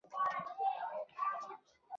دغه بندرونه د کنسولاډو تر کنټرول لاندې وو.